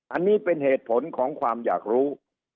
อันนี้เป็นเหตุผลของความอยากรู้